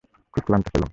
খুব ক্লান্ত ছিলাম।